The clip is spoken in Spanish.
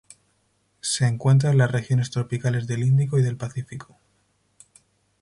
Se encuentra en las regiones tropicales del Índico y del Pacífico.